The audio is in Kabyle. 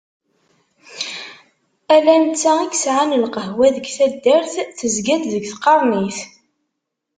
Ala netta i yesɛan lqahwa deg taddart, tezga-d deg tqernit.